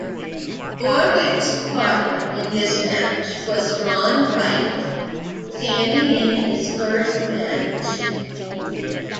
Borwick's partner in this match was Ron Wright, standing in his first match.